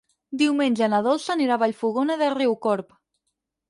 Diumenge na Dolça anirà a Vallfogona de Riucorb.